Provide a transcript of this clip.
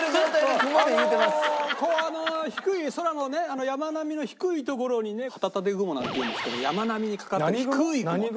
こうあの低い空のね山並みの低い所にね旗立て雲なんていうんですけど山並みにかかってる低い雲。